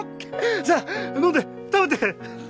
さあ飲んで食べて。